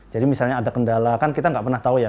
jadi misalnya ada kendala kan kita nggak pernah tahu ya